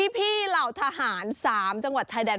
พี่เหล่าทหารสามจังหวัดไทยแดน